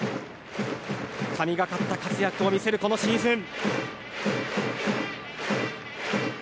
神がかった活躍を見せる今シーズン。